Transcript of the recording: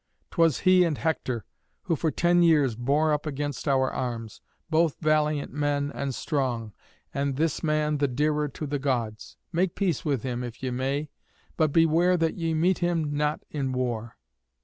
'Twas he and Hector who for ten years bore up against our arms: both valiant men and strong, and this man the dearer to the Gods. Make peace with him, if ye may; but beware that ye meet him not in war.'"